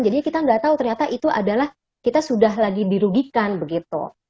jadinya kita nggak tahu ternyata itu adalah kita sudah lagi dirugikan begitu